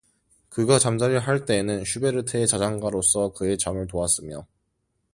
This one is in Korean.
그가 잠자려 할 때에는 슈베르트의 자장가로서 그의 잠을 도왔으며